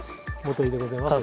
川でございます。